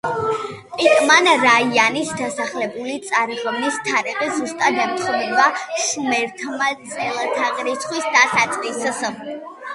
პიტმან–რაიანის დასახელებული წარღვნის თარიღი ზუსტად ემთხვევა შუმერთა წელთაღრიცხვის დასაწყისს.